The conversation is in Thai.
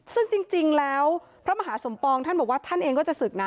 ซึ่งจริงแล้วพระมหาสมปองท่านบอกว่าท่านเองก็จะศึกนะ